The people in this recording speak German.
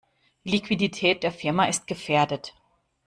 Die Liquidität der Firma ist gefährdet.